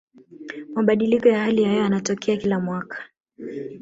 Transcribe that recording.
mabadiliko ya hali ya hewa yanatokea kila mwaka